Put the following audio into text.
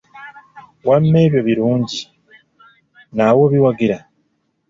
Wamma ebyo birungi, naawe obiwagira?